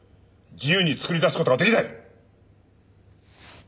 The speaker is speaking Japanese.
自由に作り出す事ができない！